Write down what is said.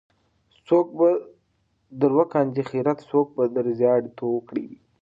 څوک به در وکاندې خیرې څوک بم در زیاړې توه کړي.